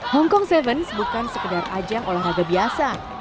hongkong tujuh bukan sekedar ajang olahraga biasa